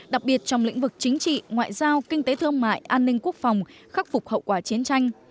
đặc biệt trong lĩnh vực chính trị ngoại giao kinh tế thương mại an ninh quốc phòng khắc phục hậu quả chiến tranh